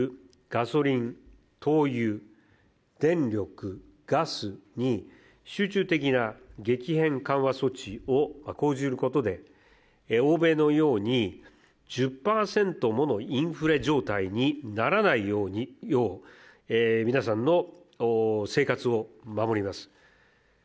ガソリン、灯油、電力、ガスに集中的な激変緩和措置を講じることで欧米のように１０％ものインフレ状態にならないよう、皆さんの生活を守ります。